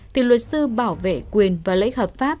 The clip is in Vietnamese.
thì luật sư bảo vệ quyền và lễ hợp pháp